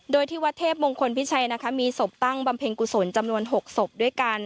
โดยที่วัดเทพมงคลพิชัยนะคะมีศพตั้งบำเพ็ญกุศลจำนวน๖ศพด้วยกัน